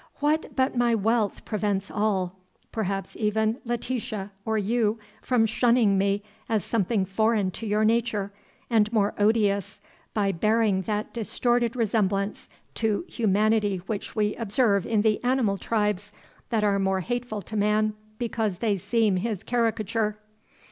What but my wealth prevents all perhaps even Letitia, or you from shunning me as something foreign to your nature, and more odious, by bearing that distorted resemblance to humanity which we observe in the animal tribes that are more hateful to man because they seem his caricature?